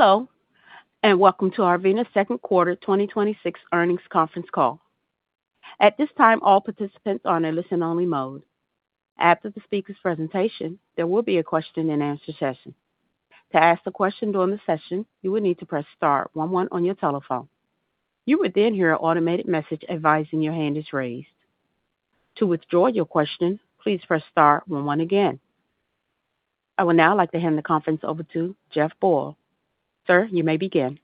Hello, and welcome to Arvinas' second quarter 2026 earnings conference call. At this time, all participants are in a listen-only mode. After the speaker's presentation, there will be a question-and-answer session. To ask a question during the session, you will need to press star one one on your telephone. You will then hear an automated message advising your hand is raised. To withdraw your question, please press star one one again. I would now like to hand the conference over to Jeff Boyle. Sir, you may begin.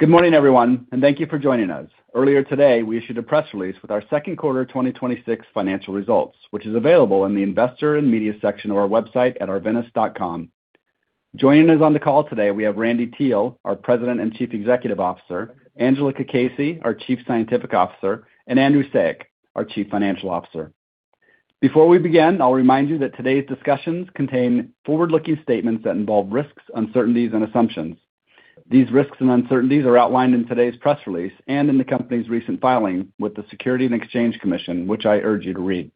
Good morning, everyone. Thank you for joining us. Earlier today, we issued a press release with our second quarter 2026 financial results, which is available in the investor and media section of our website at arvinas.com. Joining us on the call today, we have Randy Teel, our President and Chief Executive Officer, Angela Cacace, our Chief Scientific Officer, and Andrew Saik, our Chief Financial Officer. Before we begin, I'll remind you that today's discussions contain forward-looking statements that involve risks, uncertainties, and assumptions. These risks and uncertainties are outlined in today's press release and in the company's recent filing with the Securities and Exchange Commission, which I urge you to read.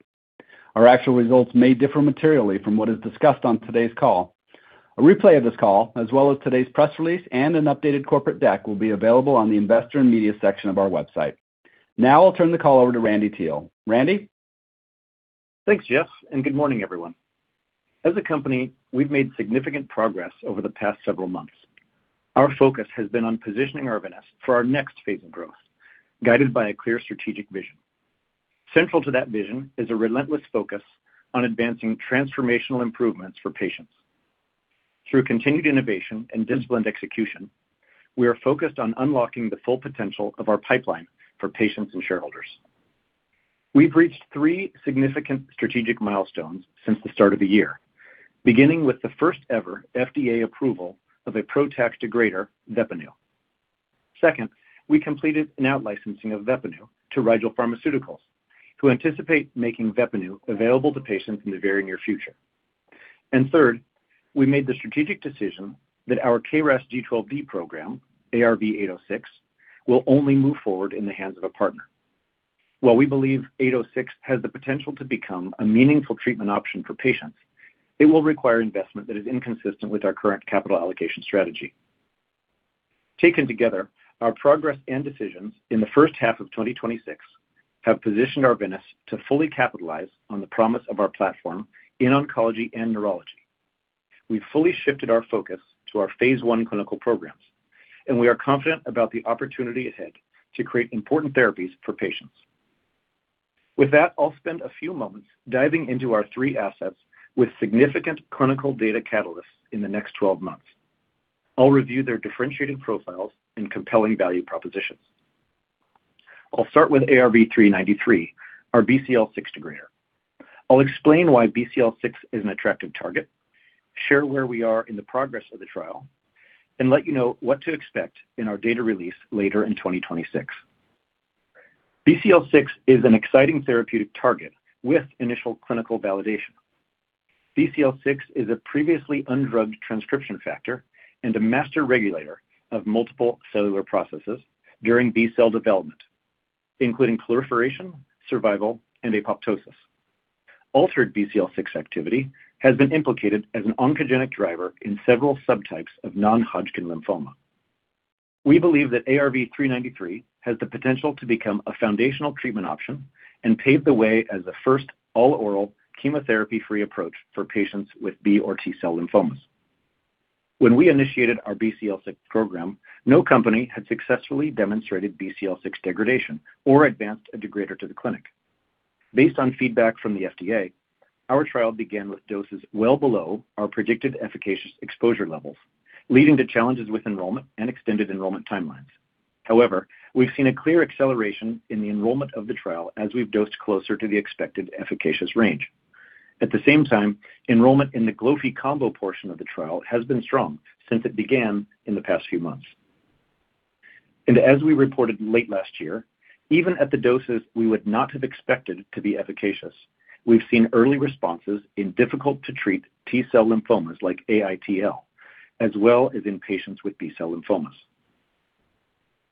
Our actual results may differ materially from what is discussed on today's call. A replay of this call, as well as today's press release and an updated corporate deck, will be available on the investor and media section of our website. Now I'll turn the call over to Randy Teel. Randy? Thanks, Jeff. Good morning, everyone. As a company, we've made significant progress over the past several months. Our focus has been on positioning Arvinas for our next phase of growth, guided by a clear strategic vision. Central to that vision is a relentless focus on advancing transformational improvements for patients. Through continued innovation and disciplined execution, we are focused on unlocking the full potential of our pipeline for patients and shareholders. We've reached three significant strategic milestones since the start of the year, beginning with the first-ever FDA approval of a PROTAC degrader, VEPPANU. Second, we completed an out-licensing of VEPPANU to Rigel Pharmaceuticals, who anticipate making VEPPANU available to patients in the very near future. Third, we made the strategic decision that our KRAS G12D program, ARV-806, will only move forward in the hands of a partner. While we believe ARV-806 has the potential to become a meaningful treatment option for patients, it will require investment that is inconsistent with our current capital allocation strategy. Taken together, our progress and decisions in the first half of 2026 have positioned Arvinas to fully capitalize on the promise of our platform in oncology and neurology. We've fully shifted our focus to our phase I clinical programs. We are confident about the opportunity ahead to create important therapies for patients. With that, I'll spend a few moments diving into our three assets with significant clinical data catalysts in the next 12 months. I'll review their differentiating profiles and compelling value propositions. I'll start with ARV-393, our BCL-6 degrader. I'll explain why BCL-6 is an attractive target, share where we are in the progress of the trial. Let you know what to expect in our data release later in 2026. BCL-6 is an exciting therapeutic target with initial clinical validation. BCL-6 is a previously undrugged transcription factor, a master regulator of multiple cellular processes during B-cell development, including proliferation, survival, and apoptosis. Altered BCL-6 activity has been implicated as an oncogenic driver in several subtypes of non-Hodgkin lymphoma. We believe that ARV-393 has the potential to become a foundational treatment option and pave the way as the first all-oral chemotherapy-free approach for patients with B or T-cell lymphomas. When we initiated our BCL-6 program, no company had successfully demonstrated BCL-6 degradation or advanced a degrader to the clinic. Based on feedback from the FDA, our trial began with doses well below our predicted efficacious exposure levels, leading to challenges with enrollment and extended enrollment timelines. However, we've seen a clear acceleration in the enrollment of the trial as we've dosed closer to the expected efficacious range. At the same time, enrollment in the glofi combo portion of the trial has been strong since it began in the past few months. As we reported late last year, even at the doses we would not have expected to be efficacious, we've seen early responses in difficult-to-treat T-cell lymphomas like AITL, as well as in patients with B-cell lymphomas.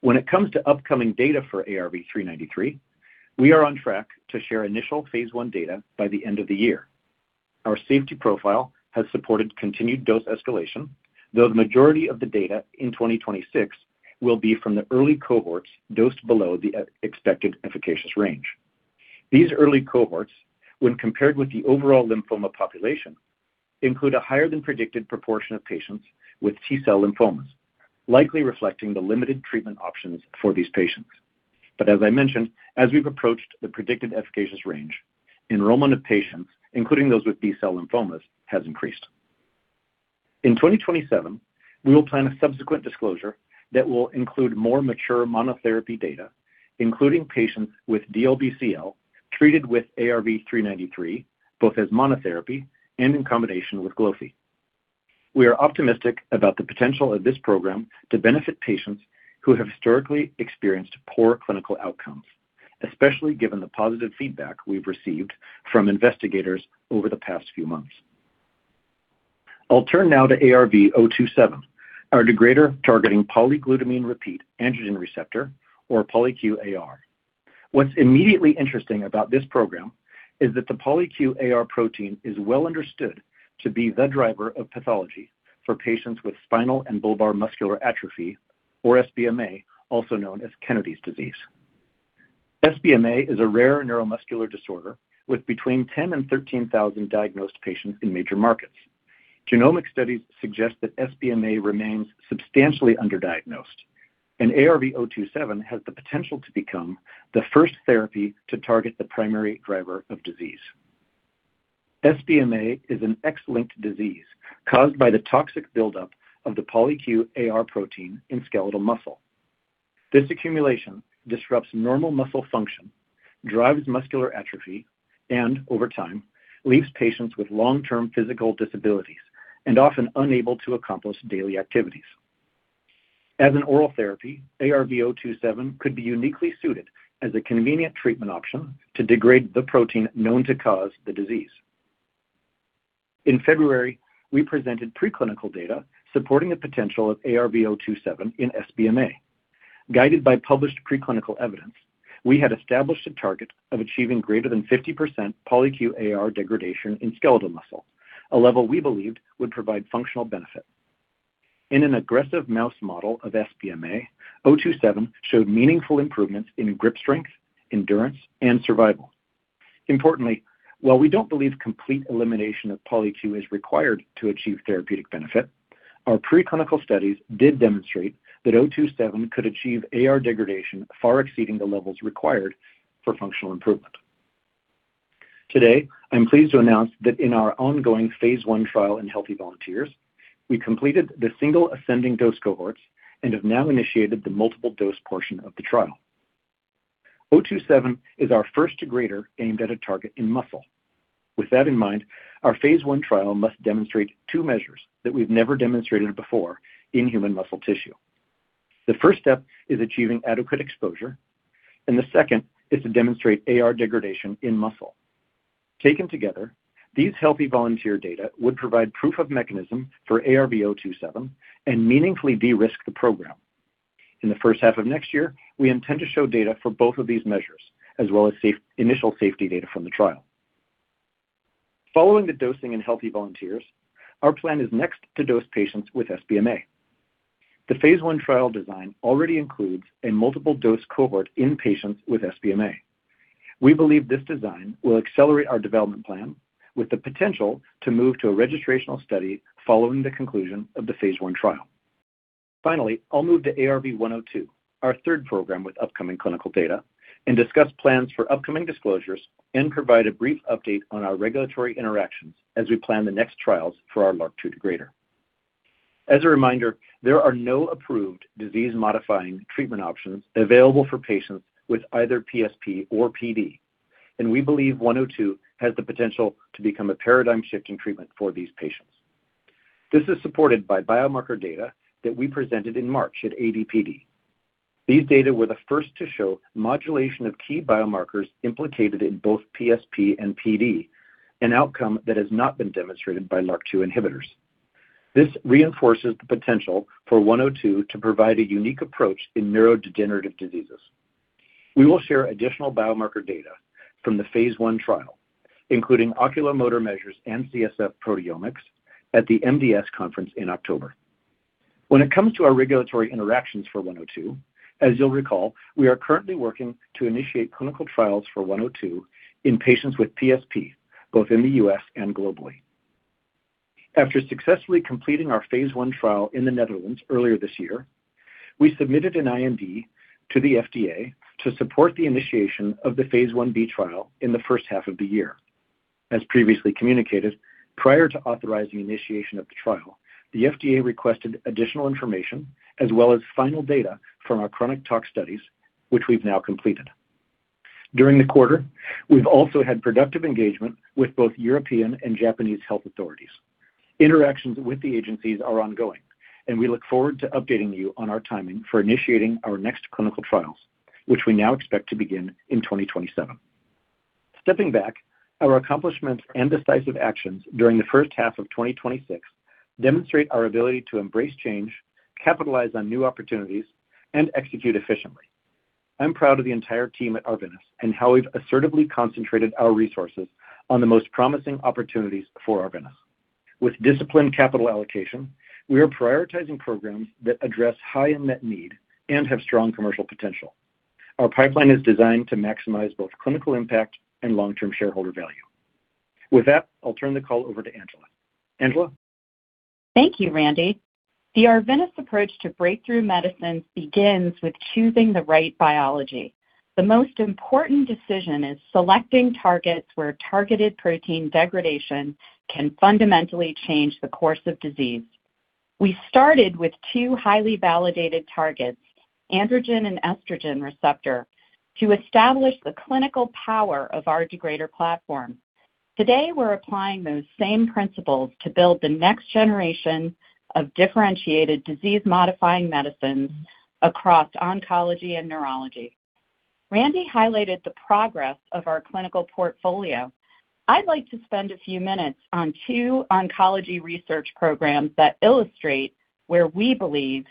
When it comes to upcoming data for ARV-393, we are on track to share initial phase I data by the end of the year. Our safety profile has supported continued dose escalation, though the majority of the data in 2026 will be from the early cohorts dosed below the expected efficacious range. These early cohorts, when compared with the overall lymphoma population, include a higher-than-predicted proportion of patients with T-cell lymphomas, likely reflecting the limited treatment options for these patients. As I mentioned, as we've approached the predicted efficacious range, enrollment of patients, including those with B-cell lymphomas, has increased. In 2027, we will plan a subsequent disclosure that will include more mature monotherapy data, including patients with DLBCL treated with ARV-393, both as monotherapy and in combination with glofi. We are optimistic about the potential of this program to benefit patients who have historically experienced poor clinical outcomes, especially given the positive feedback we've received from investigators over the past few months. I'll turn now to ARV-027, our degrader targeting polyglutamine-expanded androgen receptor, or polyQ-AR. What's immediately interesting about this program is that the polyQ-AR protein is well understood to be the driver of pathology for patients with Spinal and Bulbar Muscular Atrophy, or SBMA, also known as Kennedy's disease. SBMA is a rare neuromuscular disorder with between 10,000 and 13,000 diagnosed patients in major markets. Genomic studies suggest that SBMA remains substantially underdiagnosed, and ARV-027 has the potential to become the first therapy to target the primary driver of disease. SBMA is an X-linked disease caused by the toxic buildup of the polyQ-AR protein in skeletal muscle. This accumulation disrupts normal muscle function, drives muscular atrophy, and over time, leaves patients with long-term physical disabilities, and often unable to accomplish daily activities. As an oral therapy, ARV-027 could be uniquely suited as a convenient treatment option to degrade the protein known to cause the disease. In February, we presented preclinical data supporting the potential of ARV-027 in SBMA. Guided by published preclinical evidence, we had established a target of achieving greater than 50% polyQ-AR degradation in skeletal muscle, a level we believed would provide functional benefit. In an aggressive mouse model of SBMA, 027 showed meaningful improvements in grip strength, endurance, and survival. Importantly, while we don't believe complete elimination of polyQ-AR is required to achieve therapeutic benefit, our preclinical studies did demonstrate that 027 could achieve AR degradation far exceeding the levels required for functional improvement. Today, I'm pleased to announce that in our ongoing phase I trial in healthy volunteers, we completed the single ascending dose cohorts and have now initiated the multiple dose portion of the trial. 027 is our first degrader aimed at a target in muscle. With that in mind, our phase I trial must demonstrate two measures that we've never demonstrated before in human muscle tissue. The first step is achieving adequate exposure, and the second is to demonstrate AR degradation in muscle. Taken together, these healthy volunteer data would provide proof of mechanism for ARV-027 and meaningfully de-risk the program. In the first half of next year, we intend to show data for both of these measures, as well as initial safety data from the trial. Following the dosing in healthy volunteers, our plan is next to dose patients with SBMA. The phase I trial design already includes a multiple dose cohort in patients with SBMA. We believe this design will accelerate our development plan with the potential to move to a registrational study following the conclusion of the phase I trial. I'll move to ARV-102, our third program with upcoming clinical data, and discuss plans for upcoming disclosures and provide a brief update on our regulatory interactions as we plan the next trials for our LRRK2 degrader. As a reminder, there are no approved disease-modifying treatment options available for patients with either PSP or PD, and we believe 102 has the potential to become a paradigm shift in treatment for these patients. This is supported by biomarker data that we presented in March at ADPD. These data were the first to show modulation of key biomarkers implicated in both PSP and PD, an outcome that has not been demonstrated by LRRK2 inhibitors. This reinforces the potential for 102 to provide a unique approach in neurodegenerative diseases. We will share additional biomarker data from the phase I trial, including oculomotor measures and CSF proteomics at the MDS conference in October. When it comes to our regulatory interactions for 102, as you'll recall, we are currently working to initiate clinical trials for 102 in patients with PSP, both in the U.S. and globally. After successfully completing our phase I trial in the Netherlands earlier this year, we submitted an IND to the FDA to support the initiation of the phase I-B trial in the first half of the year. As previously communicated, prior to authorizing initiation of the trial, the FDA requested additional information as well as final data from our chronic tox studies, which we've now completed. During the quarter, we've also had productive engagement with both European and Japanese health authorities. Interactions with the agencies are ongoing, and we look forward to updating you on our timing for initiating our next clinical trials, which we now expect to begin in 2027. Stepping back, our accomplishments and decisive actions during the first half of 2026 demonstrate our ability to embrace change, capitalize on new opportunities, and execute efficiently. I'm proud of the entire team at Arvinas and how we've assertively concentrated our resources on the most promising opportunities for Arvinas. With disciplined capital allocation, we are prioritizing programs that address high unmet need and have strong commercial potential. Our pipeline is designed to maximize both clinical impact and long-term shareholder value. With that, I'll turn the call over to Angela. Angela? Thank you, Randy. The Arvinas approach to breakthrough medicines begins with choosing the right biology. The most important decision is selecting targets where targeted protein degradation can fundamentally change the course of disease. We started with two highly validated targets, androgen and estrogen receptor, to establish the clinical power of our degrader platform. Today, we're applying those same principles to build the next generation of differentiated disease-modifying medicines across oncology and neurology. Randy highlighted the progress of our clinical portfolio. I'd like to spend a few minutes on two oncology research programs that illustrate where we believe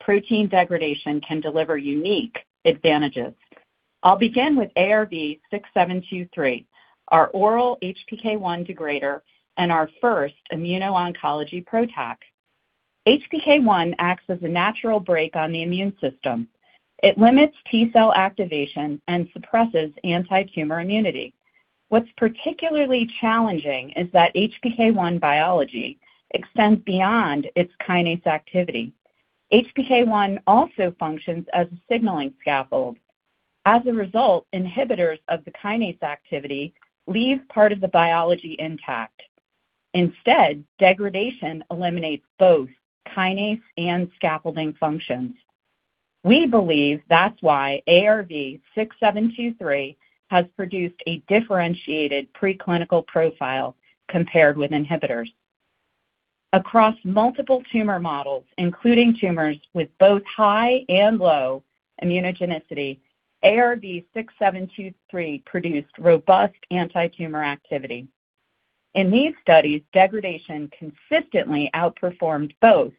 protein degradation can deliver unique advantages. I'll begin with ARV-6723, our oral HPK1 degrader and our first immuno-oncology PROTAC. HPK1 acts as a natural brake on the immune system. It limits T cell activation and suppresses antitumor immunity. What's particularly challenging is that HPK1 biology extends beyond its kinase activity. HPK1 also functions as a signaling scaffold. As a result, inhibitors of the kinase activity leave part of the biology intact. Instead, degradation eliminates both kinase and scaffolding functions. We believe that's why ARV-6723 has produced a differentiated preclinical profile compared with inhibitors. Across multiple tumor models, including tumors with both high and low immunogenicity, ARV-6723 produced robust antitumor activity. In these studies, degradation consistently outperformed both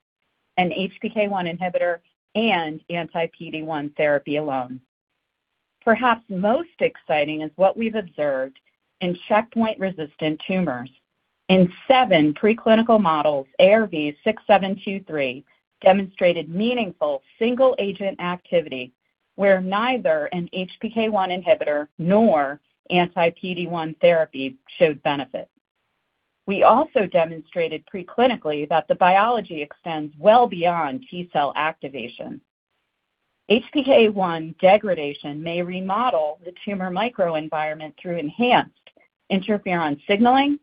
an HPK1 inhibitor and anti-PD-1 therapy alone. Perhaps most exciting is what we've observed in checkpoint-resistant tumors. In seven preclinical models, ARV-6723 demonstrated meaningful single-agent activity where neither an HPK1 inhibitor nor anti-PD-1 therapy showed benefit. We also demonstrated preclinically that the biology extends well beyond T cell activation. HPK1 degradation may remodel the tumor microenvironment through enhanced interferon signaling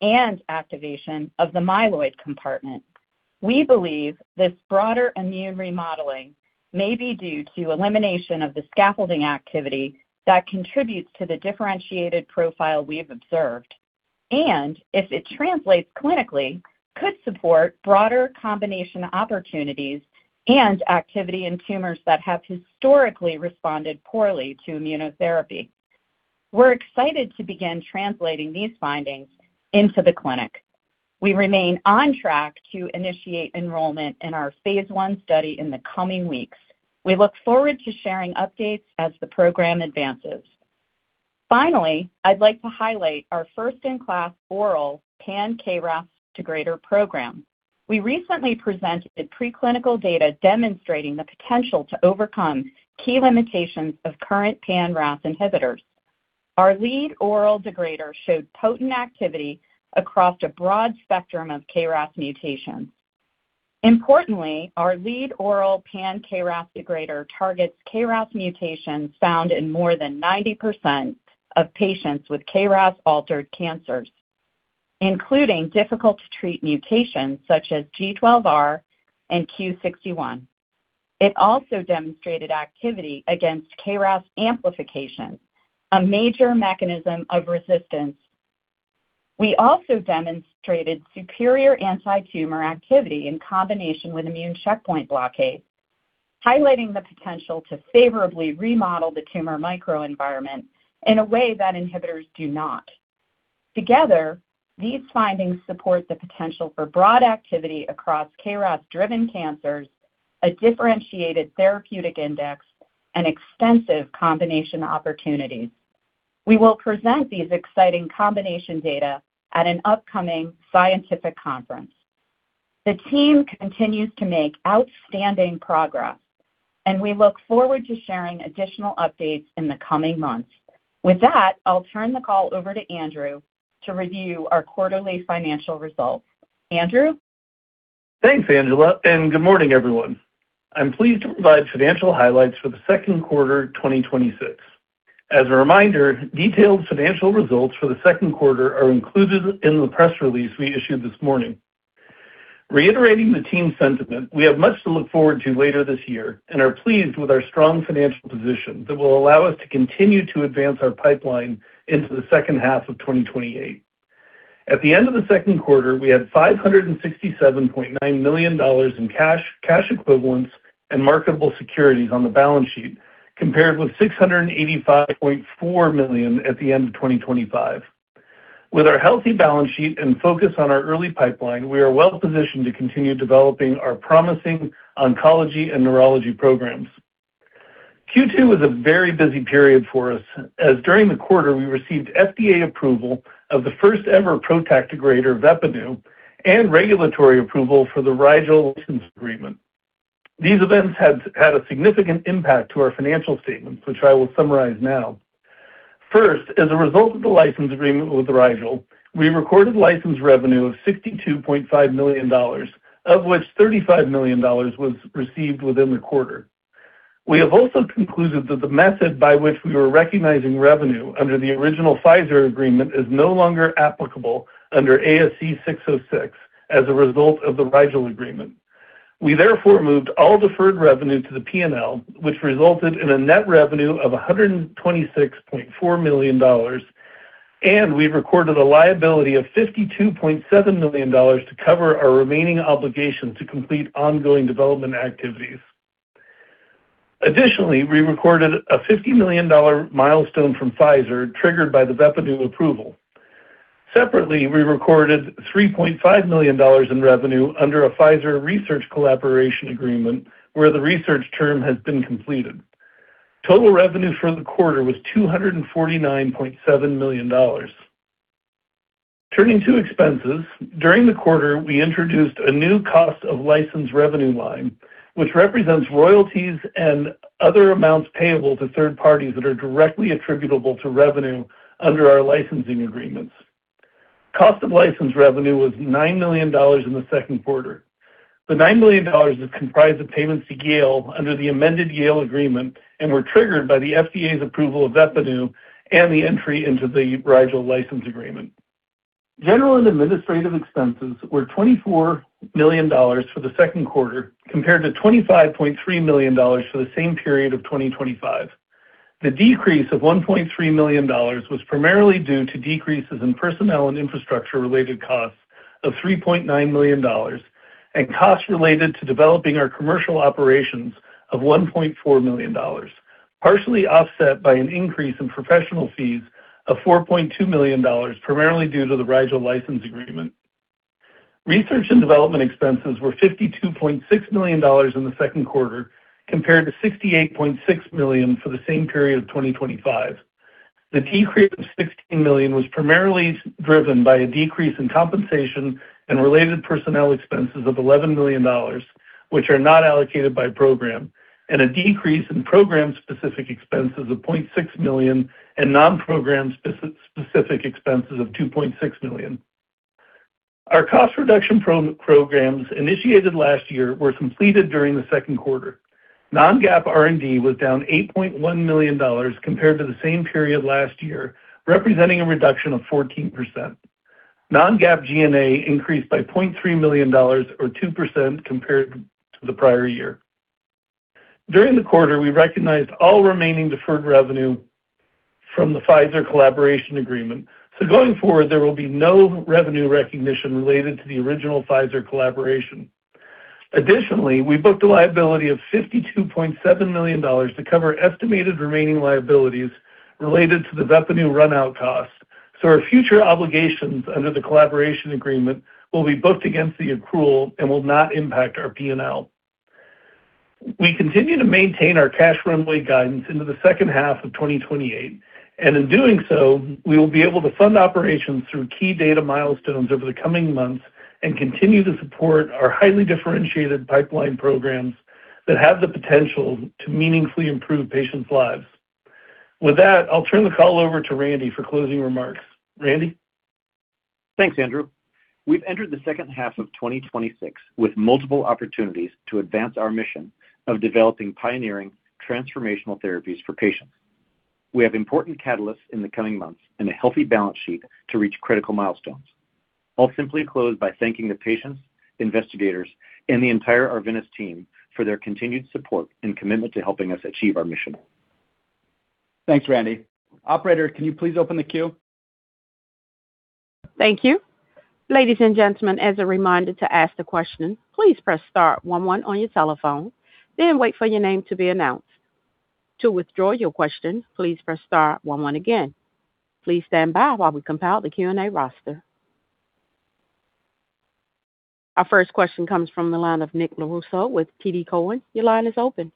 and activation of the myeloid compartment. We believe this broader immune remodeling may be due to elimination of the scaffolding activity that contributes to the differentiated profile we've observed, and if it translates clinically, could support broader combination opportunities and activity in tumors that have historically responded poorly to immunotherapy. We're excited to begin translating these findings into the clinic. We remain on track to initiate enrollment in our phase I study in the coming weeks. We look forward to sharing updates as the program advances. Finally, I'd like to highlight our first in class oral pan-KRAS degrader program. We recently presented preclinical data demonstrating the potential to overcome key limitations of current pan-RAS inhibitors. Our lead oral degrader showed potent activity across a broad spectrum of KRAS mutations. Importantly, our lead oral pan-KRAS degrader targets KRAS mutations found in more than 90% of patients with KRAS altered cancers, including difficult to treat mutations such as G12R and Q61. It also demonstrated activity against KRAS amplification, a major mechanism of resistance. We also demonstrated superior antitumor activity in combination with immune checkpoint blockade, highlighting the potential to favorably remodel the tumor microenvironment in a way that inhibitors do not. Together, these findings support the potential for broad activity across KRAS-driven cancers, a differentiated therapeutic index, and extensive combination opportunities. We will present these exciting combination data at an upcoming scientific conference. The team continues to make outstanding progress, and we look forward to sharing additional updates in the coming months. With that, I'll turn the call over to Andrew to review our quarterly financial results. Andrew? Thanks, Angela, and good morning, everyone. I'm pleased to provide financial highlights for the second quarter 2026. As a reminder, detailed financial results for the second quarter are included in the press release we issued this morning. Reiterating the team's sentiment, we have much to look forward to later this year and are pleased with our strong financial position that will allow us to continue to advance our pipeline into the second half of 2028. At the end of the second quarter, we had $567.9 million in cash equivalents, and marketable securities on the balance sheet, compared with $685.4 million at the end of 2025. With our healthy balance sheet and focus on our early pipeline, we are well positioned to continue developing our promising oncology and neurology programs. Q2 was a very busy period for us as during the quarter, we received FDA approval of the first ever PROTAC degrader, VEPPANU, and regulatory approval for the Rigel license agreement. These events had a significant impact to our financial statements, which I will summarize now. As a result of the license agreement with Rigel, we recorded license revenue of $62.5 million, of which $35 million was received within the quarter. We have also concluded that the method by which we were recognizing revenue under the original Pfizer agreement is no longer applicable under ASC 606 as a result of the Rigel agreement. We therefore moved all deferred revenue to the P&L, which resulted in a net revenue of $126.4 million, and we've recorded a liability of $52.7 million to cover our remaining obligation to complete ongoing development activities. Additionally, we recorded a $50 million milestone from Pfizer, triggered by the VEPPANU approval. Separately, we recorded $3.5 million in revenue under a Pfizer research collaboration agreement, where the research term has been completed. Total revenue for the quarter was $249.7 million. Turning to expenses. During the quarter, we introduced a new cost of license revenue line, which represents royalties and other amounts payable to third parties that are directly attributable to revenue under our licensing agreements. Cost of license revenue was $9 million in the second quarter. The $9 million is comprised of payments to Yale under the amended Yale agreement and were triggered by the FDA's approval of VEPPANU and the entry into the Rigel license agreement. General and administrative expenses were $24 million for the second quarter, compared to $25.3 million for the same period of 2025. The decrease of $1.3 million was primarily due to decreases in personnel and infrastructure-related costs of $3.9 million and costs related to developing our commercial operations of $1.4 million. Partially offset by an increase in professional fees of $4.2 million, primarily due to the Rigel license agreement. Research and development expenses were $52.6 million in the second quarter, compared to $68.6 million for the same period in 2025. The decrease of $16 million was primarily driven by a decrease in compensation and related personnel expenses of $11 million, which are not allocated by program, and a decrease in program-specific expenses of $0.6 million and non-program-specific expenses of $2.6 million. Our cost reduction programs initiated last year were completed during the second quarter. Non-GAAP R&D was down $8.1 million compared to the same period last year, representing a reduction of 14%. Non-GAAP G&A increased by $0.3 million, or 2% compared to the prior year. During the quarter, we recognized all remaining deferred revenue from the Pfizer collaboration agreement. Going forward, there will be no revenue recognition related to the original Pfizer collaboration. Additionally, we booked a liability of $52.7 million to cover estimated remaining liabilities related to the VEPPANU run-out cost. Our future obligations under the collaboration agreement will be booked against the accrual and will not impact our P&L. We continue to maintain our cash runway guidance into the second half of 2028, and in doing so, we will be able to fund operations through key data milestones over the coming months and continue to support our highly differentiated pipeline programs that have the potential to meaningfully improve patients' lives. With that, I'll turn the call over to Randy for closing remarks. Randy? Thanks, Andrew. We've entered the second half of 2026 with multiple opportunities to advance our mission of developing pioneering transformational therapies for patients. We have important catalysts in the coming months and a healthy balance sheet to reach critical milestones. I'll simply close by thanking the patients, investigators, and the entire Arvinas team for their continued support and commitment to helping us achieve our mission. Thanks, Randy. Operator, can you please open the queue? Thank you. Ladies and gentlemen, as a reminder to ask the question, please press star one one on your telephone, wait for your name to be announced. To withdraw your question, please press star one one again. Please stand by while we compile the Q&A roster. Our first question comes from the line of Nick Lorusso with TD Cowen. Your line is open.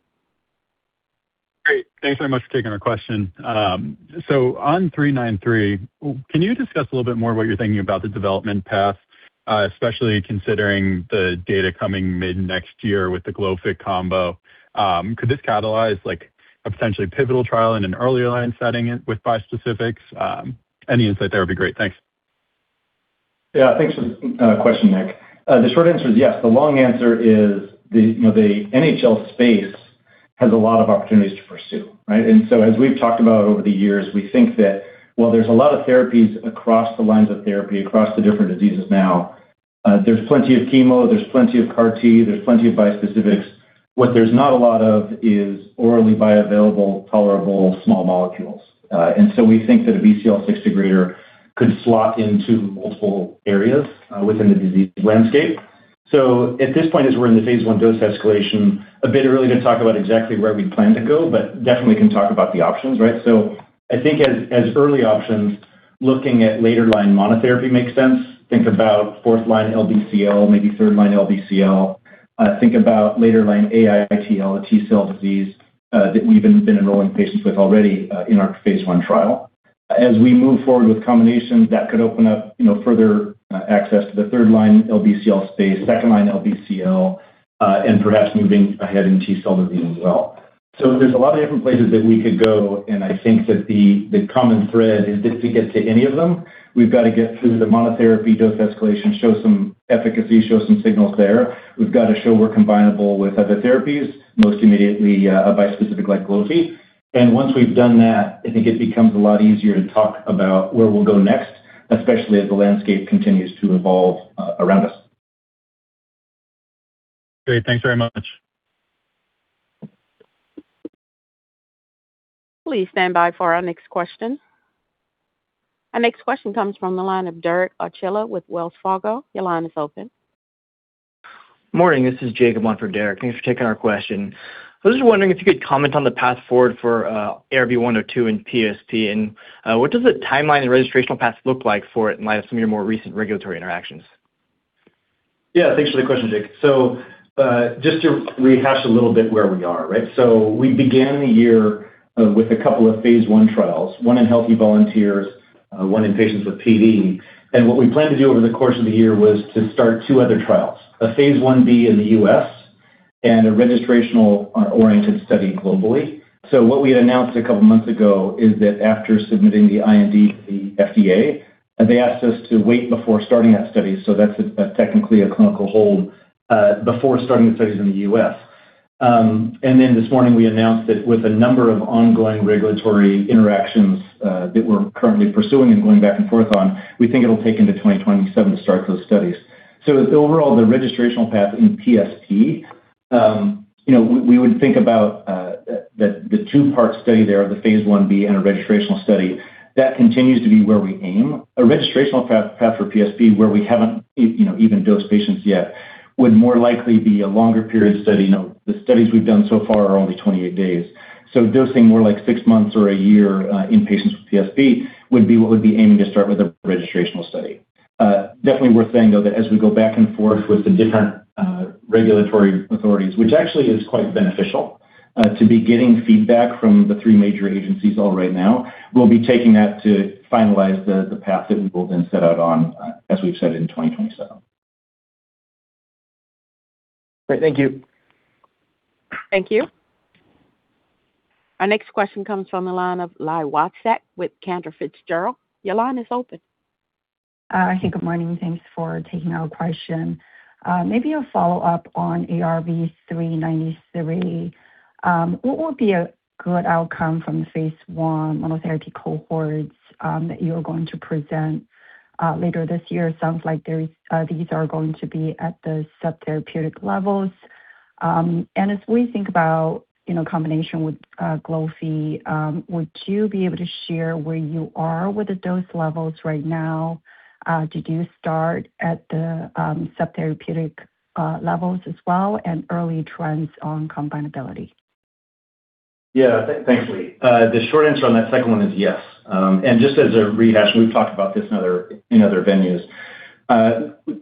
Great. Thanks very much for taking our question. On 393, can you discuss a little bit more what you're thinking about the development path, especially considering the data coming mid-next year with the glofi combo? Could this catalyze a potentially pivotal trial in an earlier line setting with bispecifics? Any insight there would be great. Thanks. Yeah, thanks for the question, Nick. The short answer is yes. The long answer is the NHL space has a lot of opportunities to pursue, right? As we've talked about over the years, we think that while there's a lot of therapies across the lines of therapy, across the different diseases now, there's plenty of chemo, there's plenty of CAR T, there's plenty of bispecifics. What there's not a lot of is orally bioavailable, tolerable small molecules. We think that a BCL-6 degrader could slot into multiple areas within the disease landscape. At this point, as we're in the phase I dose escalation, a bit early to talk about exactly where we plan to go, definitely can talk about the options, right? I think as early options, looking at later line monotherapy makes sense. Think about fourth line LBCL, maybe third line LBCL. Think about later line AITL, a T-cell disease that we've been enrolling patients with already in our phase I trial. As we move forward with combinations, that could open up further access to the third-line LBCL space, second-line LBCL, and perhaps moving ahead in T-cell disease as well. There's a lot of different places that we could go, and I think that the common thread is just to get to any of them, we've got to get through the monotherapy dose escalation, show some efficacy, show some signals there. We've got to show we're combinable with other therapies, most immediately a bispecific like glofi. Once we've done that, I think it becomes a lot easier to talk about where we'll go next, especially as the landscape continues to evolve around us. Great. Thanks very much. Please stand by for our next question. Our next question comes from the line of Derek Archila with Wells Fargo. Your line is open. Morning. This is Jacob, on for Derek. Thanks for taking our question. I was just wondering if you could comment on the path forward for ARV-102 and PSP, and what does the timeline and registrational path look like for it in light of some of your more recent regulatory interactions? Yeah, thanks for the question, Jacob. Just to rehash a little bit where we are, right? We began the year with a couple of phase I trials, one in healthy volunteers, one in patients with PD. What we planned to do over the course of the year was to start two other trials, a phase I-B in the U.S. and a registrational-oriented study globally. What we had announced a couple of months ago is that after submitting the IND to the FDA, they asked us to wait before starting that study, that's technically a clinical hold before starting the studies in the U.S. This morning we announced that with a number of ongoing regulatory interactions that we're currently pursuing and going back and forth on, we think it'll take into 2027 to start those studies. Overall, the registrational path in PSP, we would think about the two-part study there, the phase I-B and a registrational study. That continues to be where we aim. A registrational path for PSP where we haven't even dosed patients yet would more likely be a longer period study. The studies we've done so far are only 28 days. Dosing more like six months or a year in patients with PSP would be what we'd be aiming to start with a registrational study. Definitely worth saying, though, that as we go back and forth with the different regulatory authorities, which actually is quite beneficial to be getting feedback from the three major agencies all right now, we'll be taking that to finalize the path that we will then set out on, as we've said, in 2027. Great. Thank you. Thank you. Our next question comes from the line of Li Watsek with Cantor Fitzgerald. Your line is open. Hey, good morning. Thanks for taking our question. Maybe a follow-up on ARV-393. What would be a good outcome from the phase I monotherapy cohorts that you're going to present later this year? It sounds like these are going to be at the subtherapeutic levels. As we think about combination with glofi, would you be able to share where you are with the dose levels right now? Did you start at the subtherapeutic levels as well, and early trends on combinability? Yeah. Thanks, Li. The short answer on that second one is yes. Just as a rehash, and we've talked about this in other venues,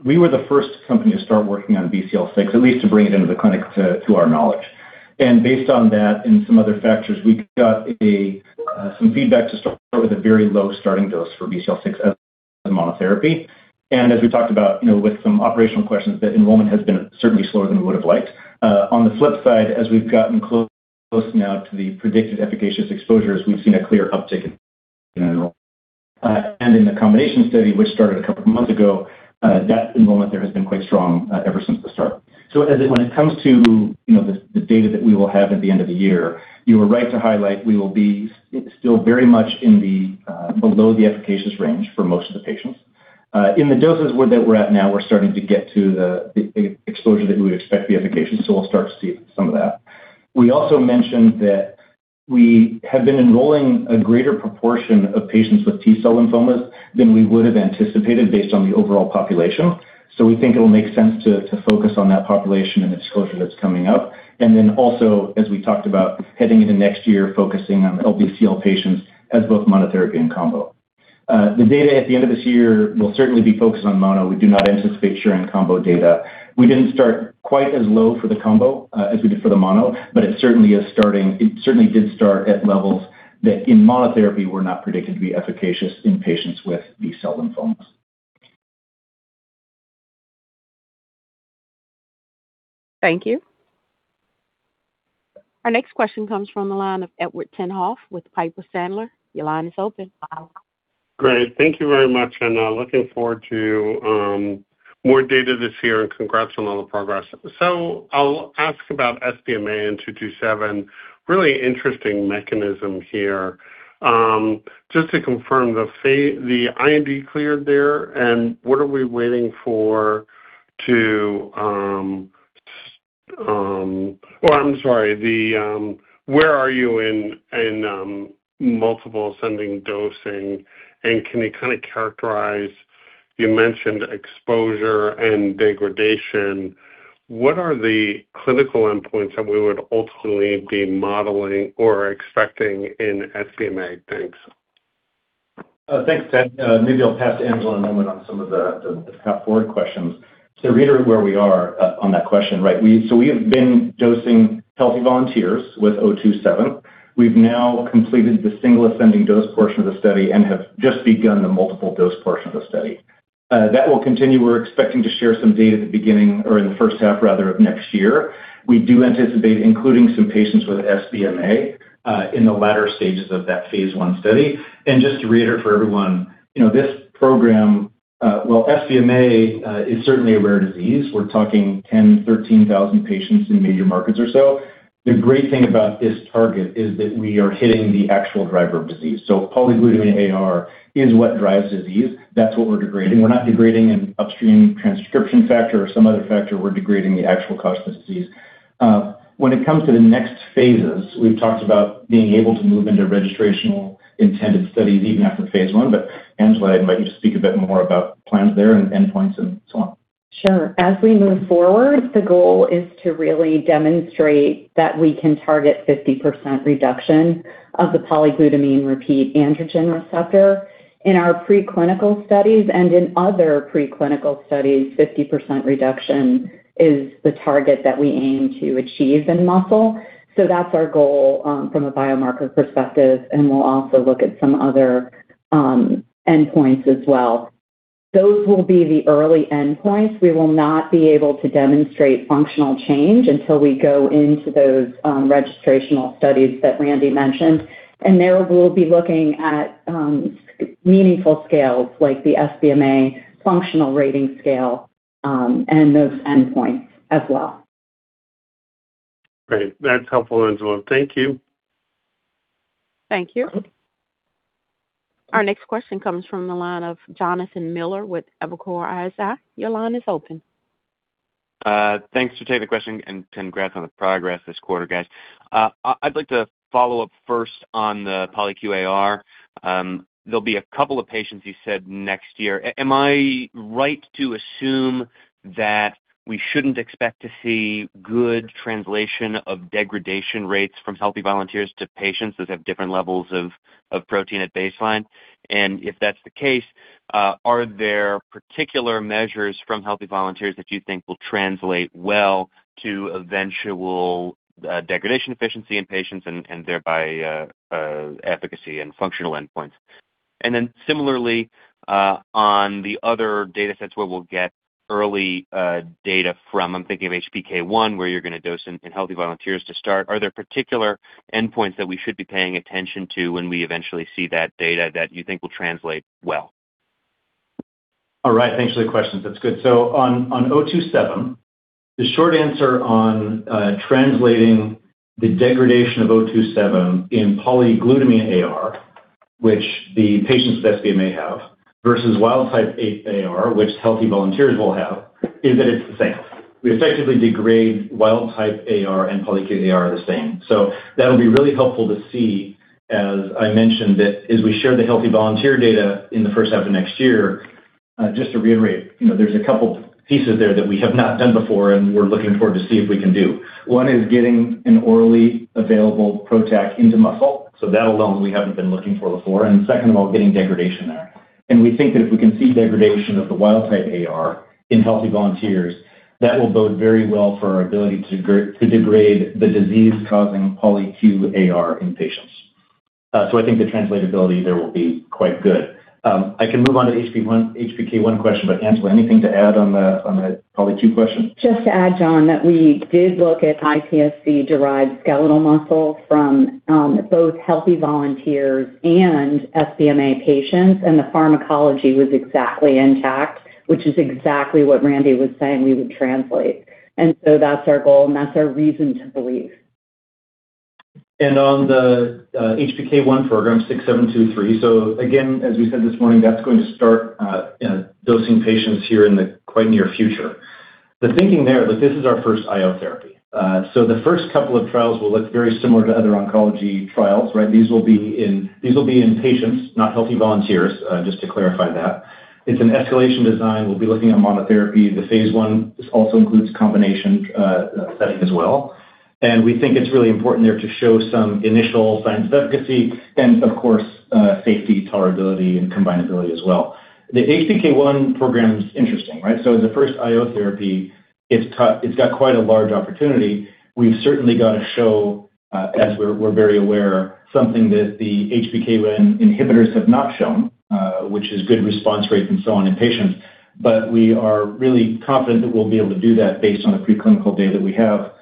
we were the first company to start working on BCL-6, at least to bring it into the clinic to our knowledge. Based on that and some other factors, we got some feedback to start with a very low starting dose for BCL-6 as monotherapy. As we talked about with some operational questions, that enrollment has been certainly slower than we would have liked. On the flip side, as we've gotten close now to the predicted efficacious exposures, we've seen a clear uptick in enrollment. In the combination study, which started a couple of months ago, that enrollment there has been quite strong ever since the start. When it comes to the data that we will have at the end of the year, you were right to highlight we will be still very much below the efficacious range for most of the patients. In the doses that we're at now, we're starting to get to the exposure that we would expect the efficacious, so we'll start to see some of that. We also mentioned that we have been enrolling a greater proportion of patients with T-cell lymphomas than we would have anticipated based on the overall population. We think it'll make sense to focus on that population and the disclosure that's coming up. Then also, as we talked about heading into next year, focusing on LBCL patients as both monotherapy and combo. The data at the end of this year will certainly be focused on mono. We do not anticipate sharing combo data. We didn't start quite as low for the combo as we did for the mono, but it certainly did start at levels that in monotherapy were not predicted to be efficacious in patients with B-cell lymphomas. Thank you. Our next question comes from the line of Edward Tenthoff with Piper Sandler. Your line is open. Great. Thank you very much. Looking forward to more data this year, and congrats on all the progress. I'll ask about SBMA and ARV-027. Really interesting mechanism here. Just to confirm, the IND cleared there. Where are you in multiple ascending dosing, and can you kind of characterize, you mentioned exposure and degradation. What are the clinical endpoints that we would ultimately be modeling or expecting in SBMA? Thanks. Thanks, Ted. Maybe I'll pass to Angela in a moment on some of the path forward questions. To reiterate where we are on that question, right? We have been dosing healthy volunteers with 027. We've now completed the single ascending dose portion of the study and have just begun the multiple dose portion of the study. That will continue. We're expecting to share some data at the beginning or in the first half rather of next year. We do anticipate including some patients with SBMA in the latter stages of that phase I study. Just to reiterate for everyone, this program, well, SBMA is certainly a rare disease. We're talking 10,000, 13,000 patients in major markets or so. The great thing about this target is that we are hitting the actual driver of disease. Polyglutamine AR is what drives disease. That's what we're degrading. We're not degrading an upstream transcription factor or some other factor. We're degrading the actual cause of disease. When it comes to the next phases, we've talked about being able to move into registrational intended studies even after Phase I. Angela, I'd invite you to speak a bit more about plans there and endpoints and so on. Sure. As we move forward, the goal is to really demonstrate that we can target 50% reduction of the polyglutamine repeat androgen receptor. In our preclinical studies and in other preclinical studies, 50% reduction is the target that we aim to achieve in muscle. That's our goal from a biomarker perspective, and we'll also look at some other endpoints as well. Those will be the early endpoints. We will not be able to demonstrate functional change until we go into those registrational studies that Randy mentioned. There, we'll be looking at meaningful scales like the SBMA Functional Rating Scale, and those endpoints as well. Great. That's helpful, Angela. Thank you. Thank you. Our next question comes from the line of Jonathan Miller with Evercore ISI. Your line is open. Thanks. I'll take the question, and congrats on the progress this quarter, guys. I'd like to follow up first on the polyQ-AR. There'll be a couple of patients you said next year. Am I right to assume that we shouldn't expect to see good translation of degradation rates from healthy volunteers to patients that have different levels of protein at baseline? If that's the case, are there particular measures from healthy volunteers that you think will translate well to eventual degradation efficiency in patients and thereby efficacy and functional endpoints? Similarly, on the other data sets where we'll get early data from, I'm thinking of HPK1, where you're going to dose in healthy volunteers to start. Are there particular endpoints that we should be paying attention to when we eventually see that data that you think will translate well? All right. Thanks for the questions. That's good. On 027, the short answer on translating the degradation of 027 in polyglutamine AR, which the patients with SBMA have, versus wild type AR, which healthy volunteers will have, is that it's the same. We effectively degrade wild type AR and polyQ-AR the same. That will be really helpful to see, as I mentioned, that as we share the healthy volunteer data in the first half of next year, just to reiterate, there's a couple pieces there that we have not done before, and we're looking forward to see if we can do. One is getting an orally available PROTAC into muscle. That alone, we haven't been looking for before. Second of all, getting degradation there. We think that if we can see degradation of the wild type AR in healthy volunteers, that will bode very well for our ability to degrade the disease-causing polyQ-AR in patients. I think the translatability there will be quite good. I can move on to HPK1 question, but Angela, anything to add on the polyQ question? Just to add, Jon, that we did look at iPSC-derived skeletal muscle from both healthy volunteers and SBMA patients, and the pharmacology was exactly intact, which is exactly what Randy was saying we would translate. That's our goal, and that's our reason to believe. On the HPK1 program 6723, again, as we said this morning, that's going to start dosing patients here in the quite near future. The thinking there, look, this is our first IO therapy. The first couple of trials will look very similar to other oncology trials, right? These will be in patients, not healthy volunteers, just to clarify that. It's an escalation design. We'll be looking at monotherapy. The phase I also includes combination setting as well, and we think it's really important there to show some initial signs of efficacy and of course safety, tolerability, and combinability as well. The HPK1 program's interesting, right? As a first IO therapy, it's got quite a large opportunity. We've certainly got to show as we're very aware, something that the HPK1 inhibitors have not shown, which is good response rates and so on in patients. We are really confident that we'll be able to do that based on the preclinical data that we have,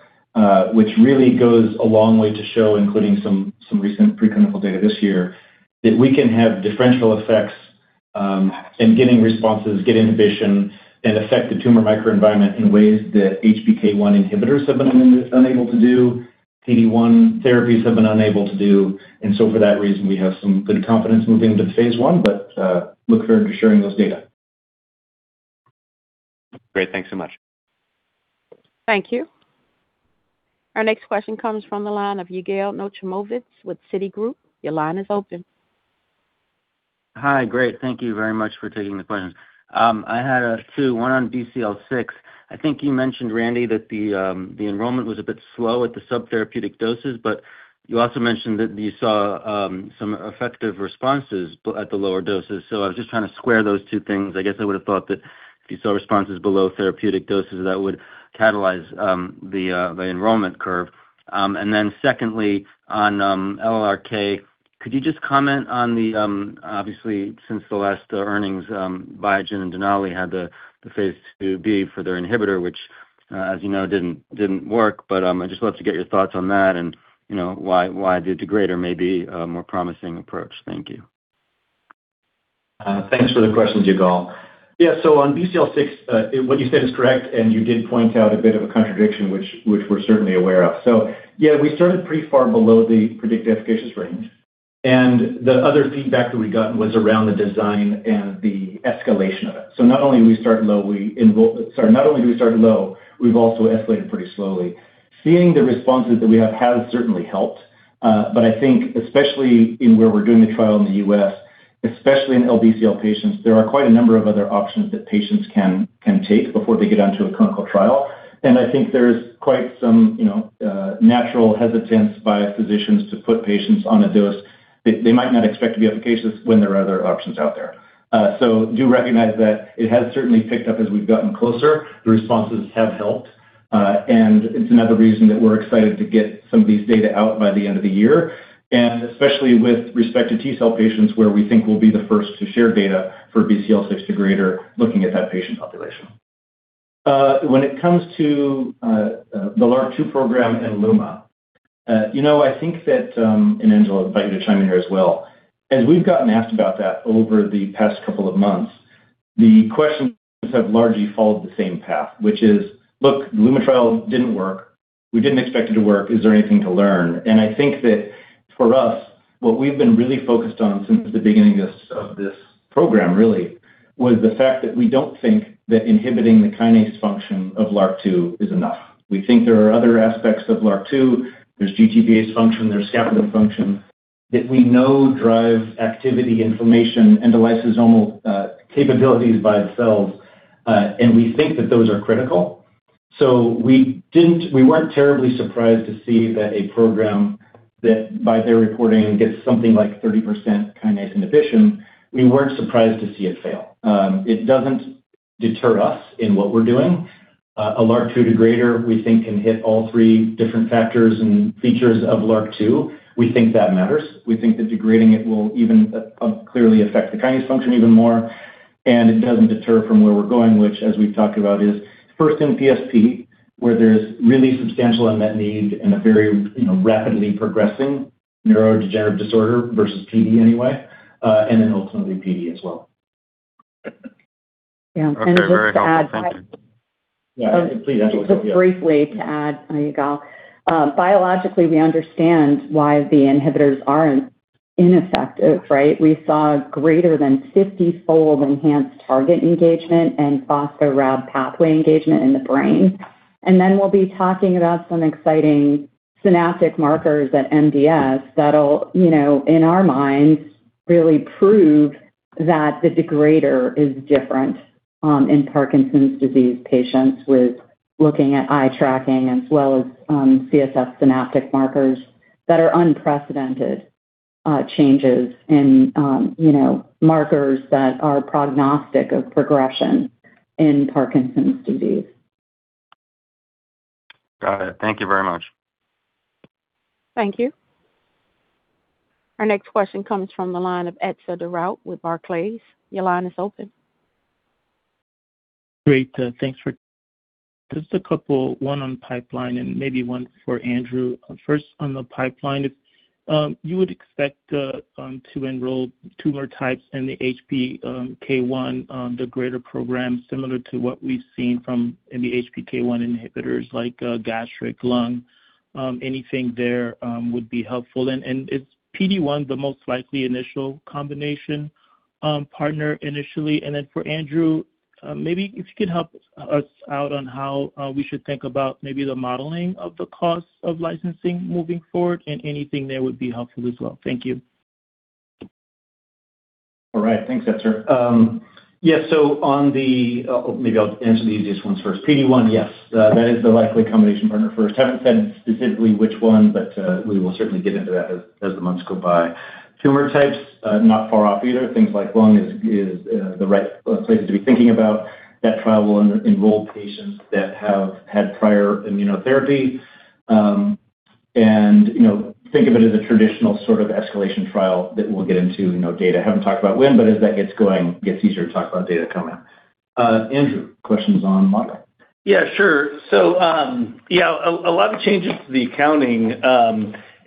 which really goes a long way to show, including some recent preclinical data this year, that we can have differential effects in getting responses, get inhibition, and affect the tumor microenvironment in ways that HPK1 inhibitors have been unable to do, PD-1 therapies have been unable to do, and so for that reason, we have some good confidence moving into phase I, but look forward to sharing those data. Great. Thanks so much. Thank you. Our next question comes from the line of Yigal Nochomovitz with Citigroup. Your line is open. Hi. Great. Thank you very much for taking the questions. I had two, one on BCL6. I think you mentioned, Randy, that the enrollment was a bit slow at the subtherapeutic doses, but you also mentioned that you saw some effective responses at the lower doses. I was just trying to square those two things. I guess I would've thought that if you saw responses below therapeutic doses, that would catalyze the enrollment curve. And then secondly, on LRRK, could you just comment on the-- obviously since the last earnings, Biogen and Denali had the phase II-B for their inhibitor, which as you know, didn't work. I'd just love to get your thoughts on that and why a degrader may be a more promising approach. Thank you. Thanks for the questions, Yigal. On BCL-6, what you said is correct, and you did point out a bit of a contradiction, which we're certainly aware of. We started pretty far below the predicted efficacious range. The other feedback that we got was around the design and the escalation of it. Not only do we start low, we've also escalated pretty slowly. Seeing the responses that we have has certainly helped. I think especially in where we're doing the trial in the U.S., especially in LBCL patients, there are quite a number of other options that patients can take before they get onto a clinical trial. I think there's quite some natural hesitance by physicians to put patients on a dose that they might not expect to be efficacious when there are other options out there. Do recognize that it has certainly picked up as we've gotten closer. The responses have helped. It's another reason that we're excited to get some of these data out by the end of the year, and especially with respect to T-cell patients, where we think we'll be the first to share data for BCL-6 degrader, looking at that patient population. When it comes to the LRRK2 program and ARV-102, I think that, and Angela, I'll invite you to chime in here as well. As we've gotten asked about that over the past couple of months, the questions have largely followed the same path, which is, look, ARV-102 trial didn't work. We didn't expect it to work. Is there anything to learn? I think that for us, what we've been really focused on since the beginning of this program really was the fact that we don't think that inhibiting the kinase function of LRRK2 is enough. We think there are other aspects of LRRK2, there's GTPase function, there's scaffolding function that we know drive activity, inflammation, and the lysosomal capabilities by itself, and we think that those are critical. We weren't terribly surprised to see that a program that by their reporting gets something like 30% kinase inhibition, we weren't surprised to see it fail. It doesn't deter us in what we're doing. A LRRK2 degrader, we think can hit all three different factors and features of LRRK2. We think that matters. We think that degrading it will even clearly affect the kinase function even more. It doesn't deter from where we're going, which, as we've talked about, is first in PSP, where there's really substantial unmet need in a very rapidly progressing neurodegenerative disorder versus PD anyway, and then ultimately PD as well. Yeah. Just to add. Okay. Very helpful. Thanks. Yeah. Please, Angela. Go, yeah. Just briefly to add, Yigal. Biologically, we understand why the inhibitors are ineffective, right? We saw greater than 50-fold enhanced target engagement and phospho-Rab pathway engagement in the brain. We'll be talking about some exciting synaptic markers at MDS that'll, in our minds, really prove that the degrader is different in Parkinson's disease patients with looking at eye tracking as well as CSF synaptic markers that are unprecedented changes in markers that are prognostic of progression in Parkinson's disease. Got it. Thank you very much. Thank you. Our next question comes from the line of Etzer Darout with Barclays. Your line is open. Great. Thanks for. Just a couple, one on pipeline and maybe one for Andrew. First on the pipeline, if you would expect to enroll tumor types in the HPK1 degrader program similar to what we've seen from the HPK1 inhibitors like gastric, lung. Anything there would be helpful. Is PD-1 the most likely initial combination partner initially? For Andrew, maybe if you could help us out on how we should think about maybe the modeling of the cost of licensing moving forward and anything there would be helpful as well. Thank you. All right. Thanks, Etzer. Maybe I'll answer the easiest ones first. PD-1, yes. That is the likely combination partner first. Haven't said specifically which one, but we will certainly get into that as the months go by. Tumor types, not far off either. Things like lung is the right place to be thinking about. That trial will enroll patients that have had prior immunotherapy. Think of it as a traditional sort of escalation trial that we'll get into data. Haven't talked about when, but as that gets going, gets easier to talk about data coming out. Andrew, questions on modeling. A lot of changes to the accounting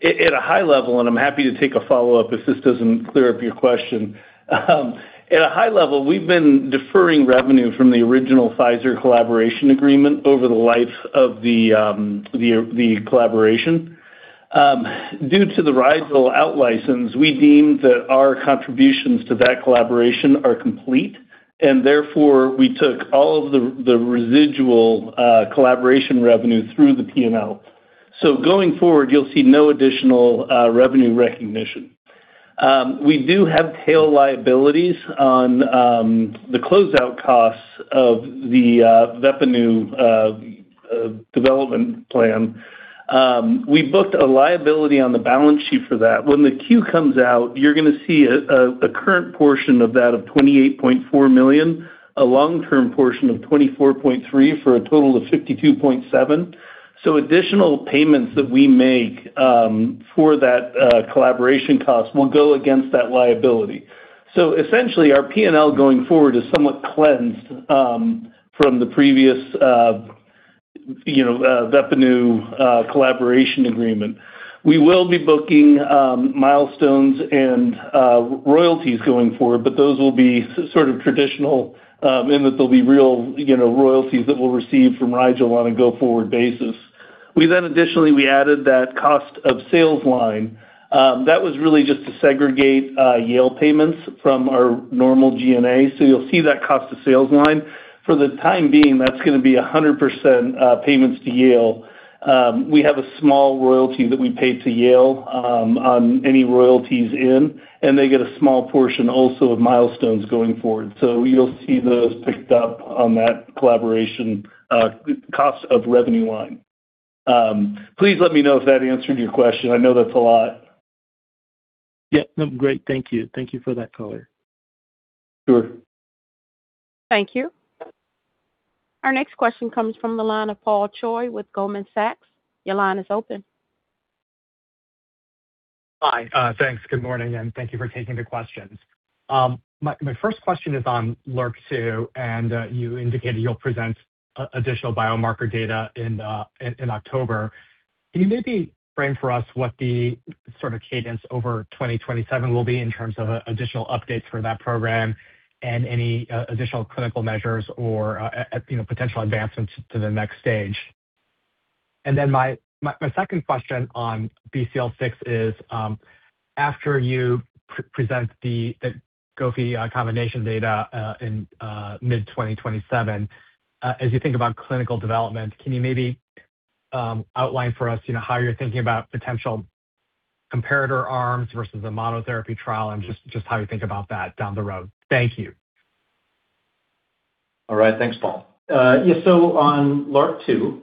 at a high level, and I'm happy to take a follow-up if this doesn't clear up your question. At a high level, we've been deferring revenue from the original Pfizer collaboration agreement over the life of the collaboration. Due to the Rigel out-license, we deemed that our contributions to that collaboration are complete, and therefore, we took all of the residual collaboration revenue through the P&L. Going forward, you'll see no additional revenue recognition. We do have tail liabilities on the closeout costs of the Veppanu development plan. We booked a liability on the balance sheet for that. When the Q comes out, you're going to see a current portion of that of $28.4 million, a long-term portion of $24.3 million for a total of $52.7 million. Additional payments that we make for that collaboration cost will go against that liability. Essentially, our P&L going forward is somewhat cleansed from the previous Veppanu collaboration agreement. We will be booking milestones and royalties going forward, but those will be sort of traditional in that they'll be real royalties that we'll receive from Rigel on a go-forward basis. We additionally added that cost of sales line. That was really just to segregate Yale payments from our normal G&A. You'll see that cost of sales line. For the time being, that's going to be 100% payments to Yale. We have a small royalty that we pay to Yale on any royalties in, and they get a small portion also of milestones going forward. You'll see those picked up on that collaboration cost of revenue line. Please let me know if that answered your question. I know that's a lot. Yeah, no, great. Thank you. Thank you for that color. Sure. Thank you. Our next question comes from the line of Paul Choi with Goldman Sachs. Your line is open. Hi. Thanks. Good morning and thank you for taking the questions. My first question is on LRRK2, and you indicated you'll present additional biomarker data in October. Can you maybe frame for us what the sort of cadence over 2027 will be in terms of additional updates for that program and any additional clinical measures or potential advancements to the next stage? My second question on BCL6 is, after you present the glofi combination data in mid-2027, as you think about clinical development, can you maybe outline for us how you're thinking about potential comparator arms versus a monotherapy trial and just how you think about that down the road? Thank you. All right. Thanks, Paul. Yeah. On LRRK2,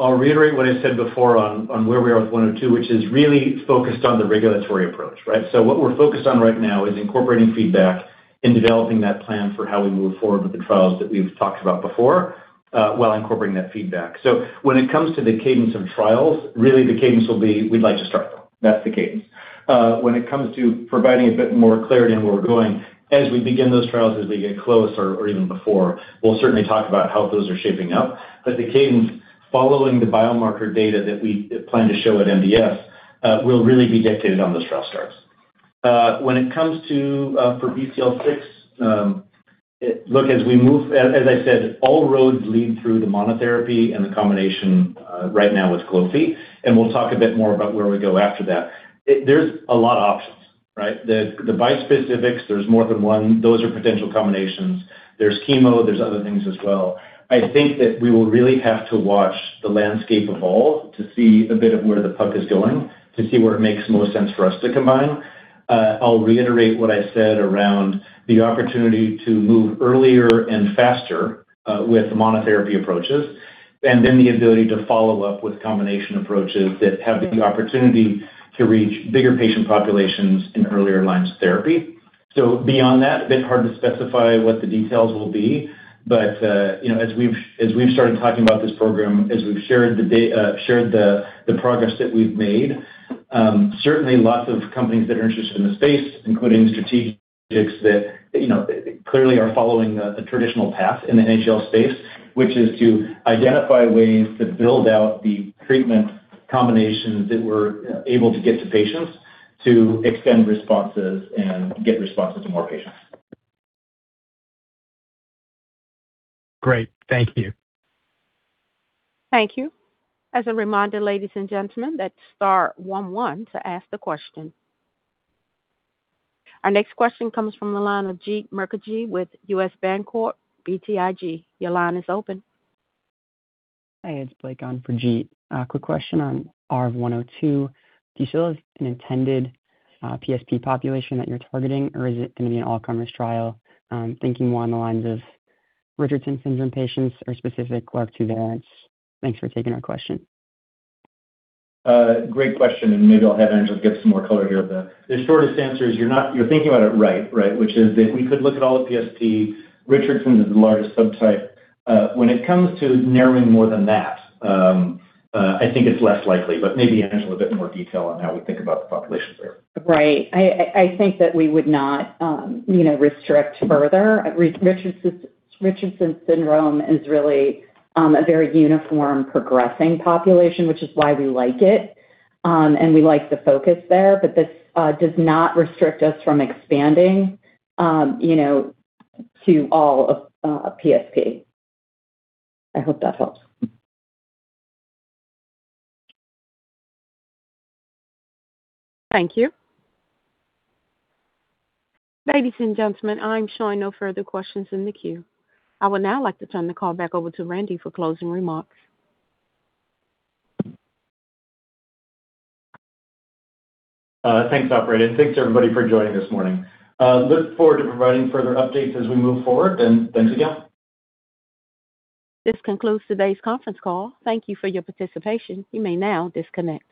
I'll reiterate what I said before on where we are with 102, which is really focused on the regulatory approach, right? What we're focused on right now is incorporating feedback and developing that plan for how we move forward with the trials that we've talked about before while incorporating that feedback. When it comes to the cadence of trials, really the cadence will be, we'd like to start them. That's the cadence. When it comes to providing a bit more clarity on where we're going, as we begin those trials, as we get close or even before, we'll certainly talk about how those are shaping up. The cadence following the biomarker data that we plan to show at MDS will really be dictated on those trial starts. When it comes to BCL6, look, as I said, all roads lead through the monotherapy and the combination right now with glofi, and we'll talk a bit more about where we go after that. There's a lot of options, right? The bispecifics, there's more than one. Those are potential combinations. There's chemo, there's other things as well. I think that we will really have to watch the landscape evolve to see a bit of where the puck is going, to see where it makes most sense for us to combine. I'll reiterate what I said around the opportunity to move earlier and faster with monotherapy approaches, and then the ability to follow up with combination approaches that have the opportunity to reach bigger patient populations in earlier lines of therapy. Beyond that, a bit hard to specify what the details will be. As we've started talking about this program, as we've shared the progress that we've made, certainly lots of companies that are interested in the space, including strategic that clearly are following a traditional path in the NHL space, which is to identify ways to build out the treatment combinations that we're able to get to patients to extend responses and get responses to more patients. Great. Thank you. Thank you. As a reminder, ladies and gentlemen, that's star one one to ask the question. Our next question comes from the line of Jeet Mukherjee with US Bancorp BTIG. Your line is open. Hi, it's Blake on for Jeet. Quick question on ARV-102. Do you feel there's an intended PSP population that you're targeting, or is it going to be an all-comers trial? Thinking more on the lines of Richardson syndrome patients or specific LRRK2 variants. Thanks for taking our question. Great question. Maybe I'll have Angela give some more color here. The shortest answer is you're thinking about it right, which is that we could look at all the PSP. Richardson is the largest subtype. When it comes to narrowing more than that, I think it's less likely. Maybe, Angela, a bit more detail on how we think about the population there. Right. I think that we would not restrict further. Richardson syndrome is really a very uniform progressing population, which is why we like it. We like the focus there; this does not restrict us from expanding to all of PSP. I hope that helps. Thank you. Ladies and gentlemen, I'm showing no further questions in the queue. I would now like to turn the call back over to Randy for closing remarks. Thanks, operator. Thanks, everybody, for joining this morning. Look forward to providing further updates as we move forward, and thanks again. This concludes today's conference call. Thank you for your participation. You may now disconnect.